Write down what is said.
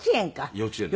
幼稚園です。